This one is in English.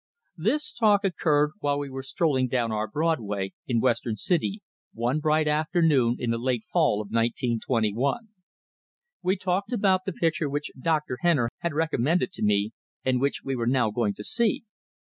This talk occurred while we were strolling down our Broadway, in Western City, one bright afternoon in the late fall of 1921. We talked about the picture which Dr. Henner had recommended to me, and which we were now going to see.